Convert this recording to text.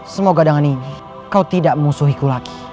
semoga dengan ini kau tidak musuhiku lagi